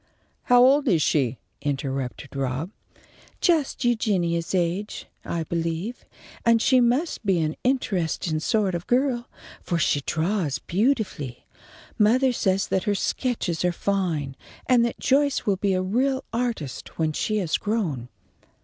"How old is she?" interrupted Rob. "Just Eugenia's age, I believe, and she must be an interestin' sort of girl, for she draws beautifully. Mothah says that her sketches are fine, and that Joyce will be a real artist when she is grown."